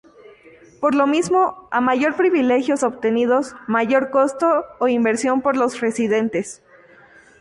Por lo mismo, a mayor privilegios obtenidos, mayor costo o inversión por los residentes.